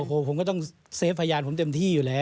โอ้โหผมก็ต้องเซฟพยานผมเต็มที่อยู่แล้ว